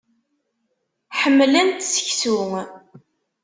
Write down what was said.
Ḥemmlent seksu.